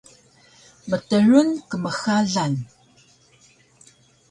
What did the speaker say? mtaru kmxalan